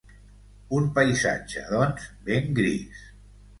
Un paisatge, doncs, ben gris.